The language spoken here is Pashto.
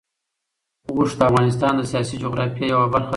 اوښ د افغانستان د سیاسي جغرافیه یوه برخه ده.